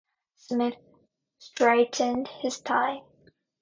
Smith straightened his tie.